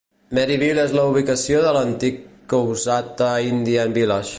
Merryville és la ubicació de l'antic Coushatta Indian village.